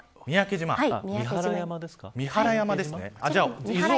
三原山です。